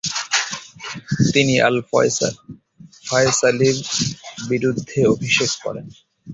তিনি আল-ফায়সালির বিরুদ্ধে অভিষেক করেন।